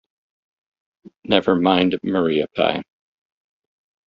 Never mind Maria Pye.